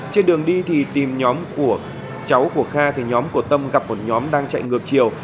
trên đường đi thì tìm nhóm của cháu của kha thì nhóm của tâm gặp một nhóm đang chạy ngược chiều